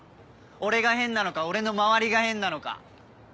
俺が変なのか俺の周りが変なのか。